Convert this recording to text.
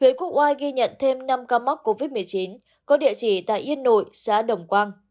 huyện quốc oai ghi nhận thêm năm ca mắc covid một mươi chín có địa chỉ tại yên nội xã đồng quang